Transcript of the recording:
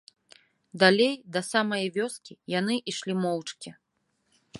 Далей, да самае вёскі, яны ішлі моўчкі.